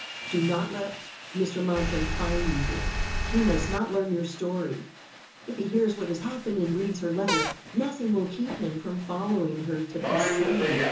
Do not let Mr. Mountjoy find you here. He must not learn your story. If he hears what has happened and reads her letter, nothing will keep him from following her to Passy.